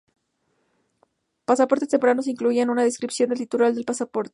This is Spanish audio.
Pasaportes tempranos incluían una descripción del titular del pasaporte.